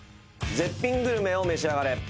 絶品グルメを召し上がれ。